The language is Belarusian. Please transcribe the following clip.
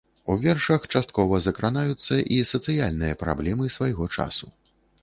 У вершах часткова закранаюцца і сацыяльныя праблемы свайго часу.